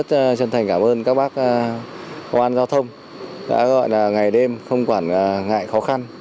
rất chân thành cảm ơn các bác công an giao thông đã gọi là ngày đêm không quản ngại khó khăn